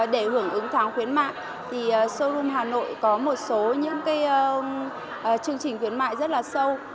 để hưởng ứng tháng khuyến mại thì solun hà nội có một số những chương trình khuyến mại rất là sâu